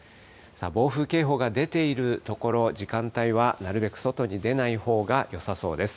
暴風警報が出ている所、時間帯はなるべく外に出ないほうがよさそうです。